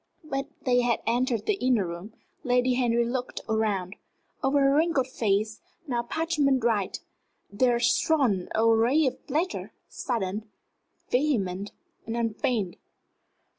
But they had entered the inner room. Lady Henry looked round. Over her wrinkled face, now parchment white, there shone a ray of pleasure sudden, vehement, and unfeigned.